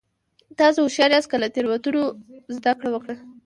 تاسو هوښیار یاست که له تېروتنو زده کړه وکړه.